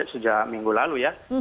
sejak minggu lalu ya